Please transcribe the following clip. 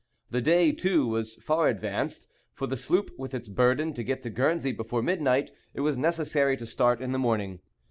The day, too, was far advanced. For the sloop with its burden to get to Guernsey before midnight, it was necessary to start in the morning.